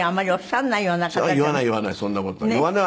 言わない言わないそんな事は。